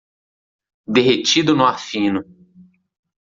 Derretido no ar fino